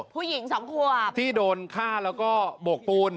ผู้หญิงสองขวบที่โดนฆ่าแล้วก็โบกปูน